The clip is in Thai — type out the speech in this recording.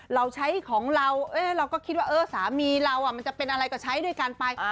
เราใช้ของเราเราก็คิดว่าสามีเรามันจะเป็นอะไรก็ใช้ด้วยกันไป